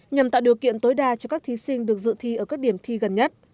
nhằm tạo điều kiện tối đa cho các thí sinh được dự thi ở các điểm thi gần nhất